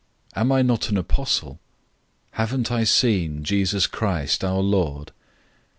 Am I not an apostle? Haven't I seen Jesus Christ, our Lord?